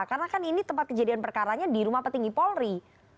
karena kan ini tempat kejadian perkaranya di rumah petinggi polri